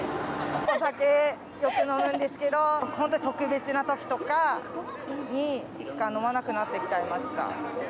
お酒よく飲むんですけど、本当に特別なときとかにしか飲まなくなってきちゃいました。